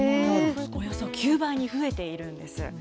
およそ９倍に増えているんです。